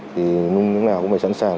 thì lúc nào cũng phải sẵn sàng